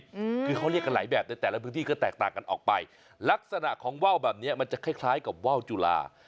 อืมคือเขาเรียกกันหลายแบบในแต่ละพื้นที่ก็แตกต่างกันออกไปลักษณะของว่าวแบบเนี้ยมันจะคล้ายคล้ายกับว่าวจุลา